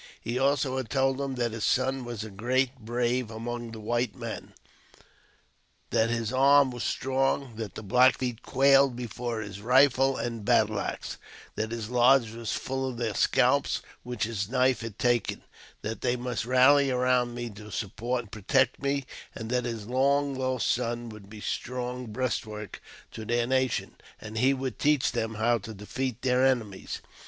He also had told him that his son was a great brave among the white men; that his arm was strong; that the Black Feet quailed before his rifle and battle axe ; that his lodge was full of their scalps which his knife had taken ; that they must rally around me to support and protect me ; and that his long lost son would be a strong breastwork to their nation, and he would teach them how to defeat their enemies.